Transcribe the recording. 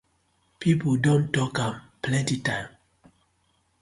Pipu don tok am plenty time.